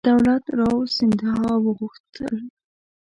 دولت راو سیندهیا وغوښتل.